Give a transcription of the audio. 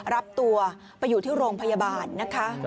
รับตัวไปอยู่ที่โรงพยาบาลนะคะ